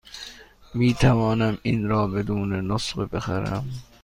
می توانم این را بدون نسخه بخرم؟